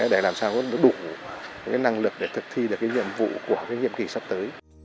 để làm sao có đủ năng lực để thực thi được nhiệm vụ của nhiệm kỳ sắp tới